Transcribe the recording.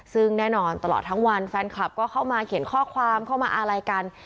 ซึ่งแน่นอนตลอดทั้งวันแฟนคลับก็เข้ามาเขียนข้อความเข้ามาอะไรกัน